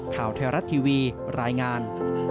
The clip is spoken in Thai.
ข่าวไทยรัฐทีวีรายงาน